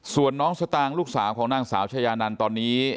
ส่วนน้องสตางค์ลูกสาวของนางสาวชายานันตอนนี้